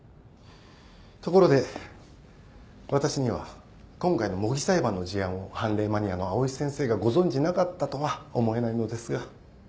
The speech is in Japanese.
ところで私には今回の模擬裁判の事案を判例マニアの藍井先生がご存じなかったとは思えないのですが。